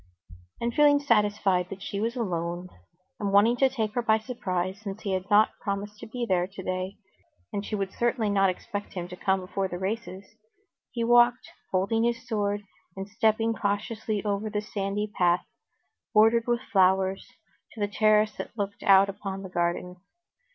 And feeling satisfied that she was alone, and wanting to take her by surprise, since he had not promised to be there today, and she would certainly not expect him to come before the races, he walked, holding his sword and stepping cautiously over the sandy path, bordered with flowers, to the terrace that looked out upon the garden.